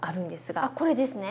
あっこれですね。